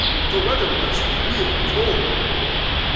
"The weather was real cold."